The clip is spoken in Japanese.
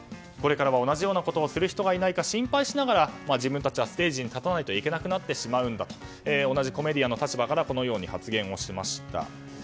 これからは同じようなことをする人がいないか心配しながら自分たちはステージに立たなきゃいけなくなってしまうんだと同じコメディアンの立場からこのように発言しました。